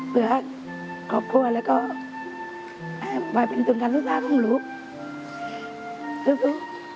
เผื่อครอบครัวแล้วก็ให้ปล่อยเป็นจนการศึกษาของลูกสู้